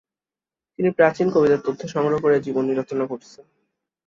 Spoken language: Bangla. তিনি প্রাচীন কবিদের তথ্য সংগ্রহ ক'রে জীবনী রচনা করেছেন।